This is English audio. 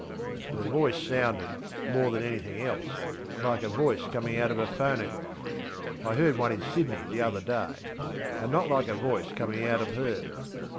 ŌĆÖ Her voice sounded, more than anything else, like a voice coming out of a phonographŌĆöI heard one in Sydney the other dayŌĆö and not like a voice coming out of her.